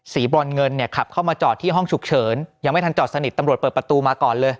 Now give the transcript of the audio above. บรอนเงินเนี่ยขับเข้ามาจอดที่ห้องฉุกเฉินยังไม่ทันจอดสนิทตำรวจเปิดประตูมาก่อนเลย